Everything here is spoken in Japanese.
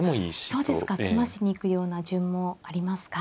そうですか詰ましに行くような順もありますか。